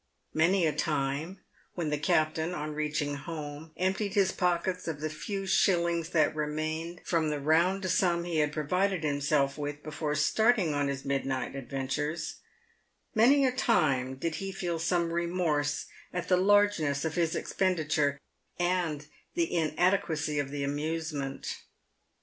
Many a time, when the captain, on reaching home, emptied his pockets of the few shillings that remained from the round sum he had provided himself with before starting on his mid night adventures — many a time did he feel some remorse at the largeness of his expenditure, and the inadequacy of the amusement.